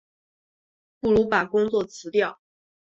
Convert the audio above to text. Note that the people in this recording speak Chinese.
不如把工作辞掉